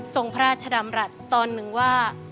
ทรงพระหนะธรรมรัตน์ตอนหนึ่งว่า